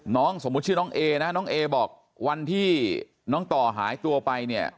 สมมุติชื่อน้องเอนะน้องเอบอกวันที่น้องต่อหายตัวไปเนี่ย